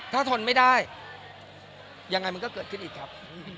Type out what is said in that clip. ถ้าทนไม่ได้ยังไงมันก็เกิดขึ้นอีกครับ